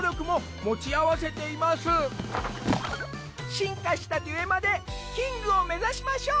進化したデュエマでキングを目指しましょう。